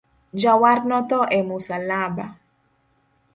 Jawar no tho e musalaba